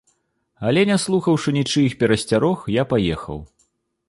Але, не слухаўшы нічыіх перасцярог, я паехаў.